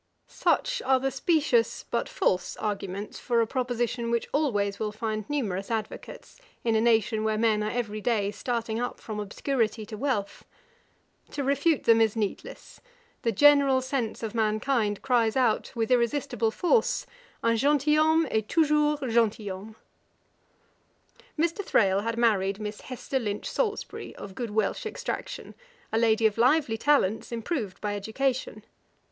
Such are the specious, but false arguments for a proposition which always will find numerous advocates, in a nation where men are every day starting up from obscurity to wealth. To refute them is needless. The general sense of mankind cries out, with irresistible force, 'Un gentilhomme est toujours gentilhomme'. [Page 493: A new home for Johnson. Ætat 56.] Mr. Thrale had married Miss Hesther Lynch Salusbury, of good Welsh extraction, a lady of lively talents, improved by education.